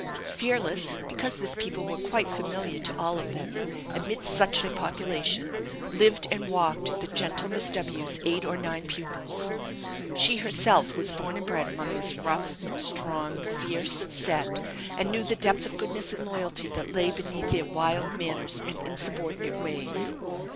Fearless because this people were quite familiar to all of them amidst such a population, lived and walked the gentle Miss W 's eight or nine pupils. She herself was born and bred among this rough, strong, fierce set, and knew the depth of goodness and loyalty that lay beneath their wild manners and insubordinate ways.